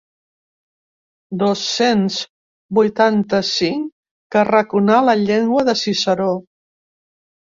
Dos-cents vuitanta-cinc que arraconà la llengua de Ciceró.